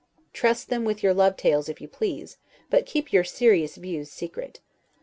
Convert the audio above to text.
Trust them with your love tales, if you please; but keep your serious views secret.